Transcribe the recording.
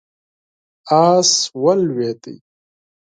آس ولوېد.